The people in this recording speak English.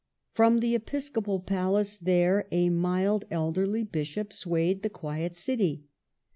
From the episcopal palace there a mild elderly bishop swayed the quiet city.